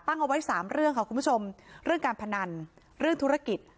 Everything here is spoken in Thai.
เอาไว้สามเรื่องค่ะคุณผู้ชมเรื่องการพนันเรื่องธุรกิจ